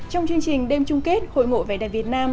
trong chương trình đêm chung kết hội ngộ vẻ đẹp việt nam